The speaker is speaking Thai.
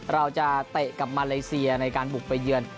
เตะกับมาเลเซียในการบุกไปเยือน